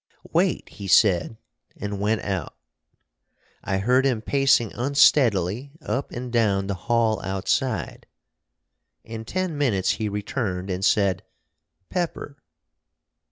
"Wait!" he said, and went out. I heard him pacing unsteadily up and down the hall outside. In ten minutes he returned, and said, "Pepper!"